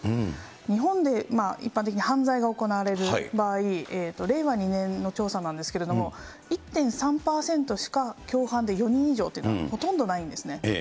日本で一般的に犯罪が行われる場合、令和２年の調査なんですけれども、１．３％しか共犯で４人以上というのはほとんどないんですね。